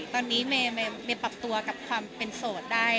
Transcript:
ตอนนี้เมมเปลี่ยนปรับตัวกับความเป็นโสดได้๑๐๐